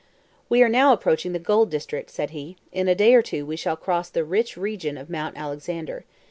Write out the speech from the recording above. "We are now approaching the gold district," said he, "in a day or two we shall cross the rich region of Mount Alexander.